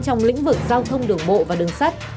trong lĩnh vực giao thông đường bộ và đường sắt